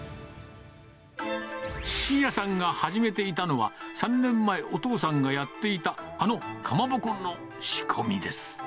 真也さんが始めていたのは、３年前、お父さんがやっていたあのカマボコの仕込みです。